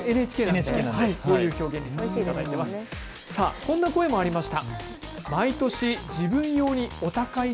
こんな声もありました。